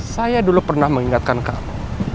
saya dulu pernah mengingatkan kamu